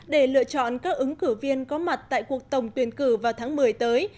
để lựa chọn các ứng cử viên có mặt tại cuộc tổng tuyển cử vào tháng một mươi tới